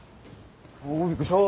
おおびっくりした！